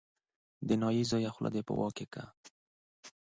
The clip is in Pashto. د نايي زویه خوله دې په واک کې کړه.